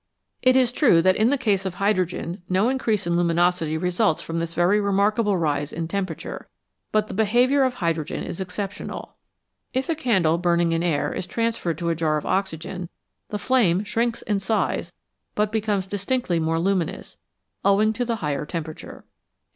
It is true that in the case of hydrogen no increase in luminosity results from this very remark able rise of temperature, but the behaviour of hydrogen is exceptional. If a candle burning in air is transferred to a jar of oxygen, the flame shrinks in size but becomes distinctly more luminous, owing to the higher tempera ture.